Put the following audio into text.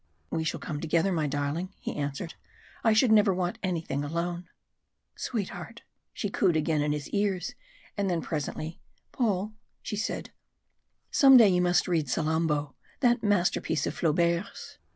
"We shall come together, my darling," he answered. "I should never want anything alone." "Sweetheart!" she cooed again in his ears; and then presently, "Paul," she said, "some day you must read 'Salammbo,' that masterpiece of Flaubert's.